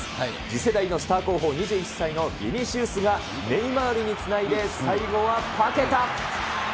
次世代のスター候補、２１歳のビニシウスが、ネイマールにつないで、最後はパケタ。